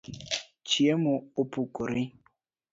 Chiemo opukore